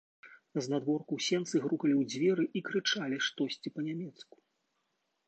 Знадворку ў сенцы грукалі ў дзверы і крычалі штосьці па-нямецку.